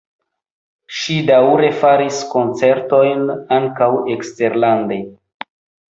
Ŝi daŭre faris koncertojn ankaŭ eksterlande.